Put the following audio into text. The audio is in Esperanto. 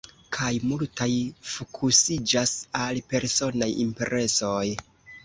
Kaj multaj fokusiĝas al personaj impresoj.